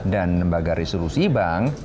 dan lembaga resolusi bank